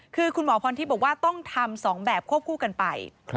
คือคุณหมอพรทิพย์บอกว่าต้องทำ๒แบบควบคู่กันไป